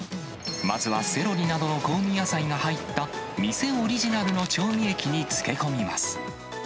まずはセロリなどの香味野菜が入った、店オリジナルの調味液に漬け込みます。